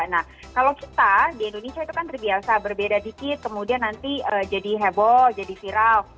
nah kalau kita di indonesia itu kan terbiasa berbeda dikit kemudian nanti jadi heboh jadi viral